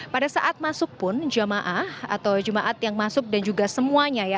pada saat masuk pun jamaah atau jemaat yang masuk dan juga semuanya ya